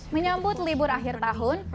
menyambut libur akhir tahun